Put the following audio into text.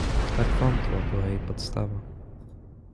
Tak wątła była jej podstawa.